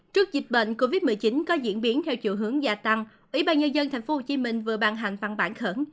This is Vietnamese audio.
trước dịch bệnh covid một mươi chín có diễn biến theo chủ hướng gia tăng ủy ban nhân dân tp hcm vừa ban hành văn bản khẩn